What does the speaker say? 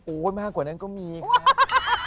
โอ๊ยมากกว่านั้นก็มีค่ะ